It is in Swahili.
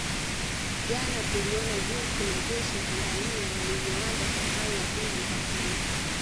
Jana tuliona jinsi majeshi ya Tanzania yalivyoanza safari ya kwenda mpakani